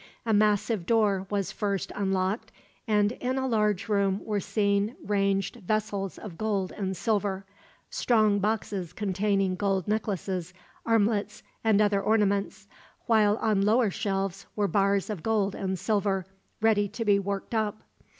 A massive door was first unlocked, and in a large room were seen ranged vessels of gold and silver; strong boxes containing gold necklaces, armlets, and other ornaments; while on lower shelves were bars of gold and silver, ready to be worked up.